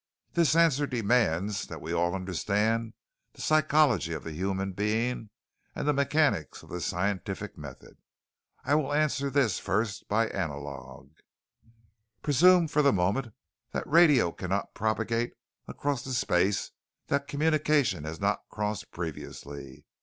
"This answer demands that we all understand the psychology of the human being and the mechanics of the scientific method. I will answer this first by analog: "Presume for the moment that radio cannot propagate across a space that communication has not crossed previously.